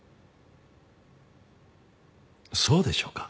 そうでしょうか？